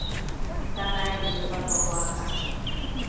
Taqaymi ñuqapa waakaqa.